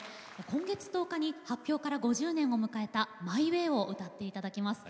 今月１０日に発表から５０年を迎えた「マイ・ウェイ」を歌っていただきます。